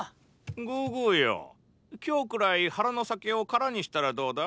グーグーよ今日くらい腹の酒を空にしたらどうだ。